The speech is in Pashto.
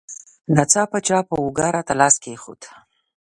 ناڅاپه چا په اوږه راته لاس کېښود.